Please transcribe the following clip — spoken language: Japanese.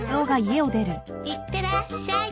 いってらっしゃい。